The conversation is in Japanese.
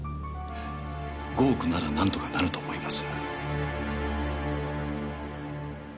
５億ならなんとかなると思います。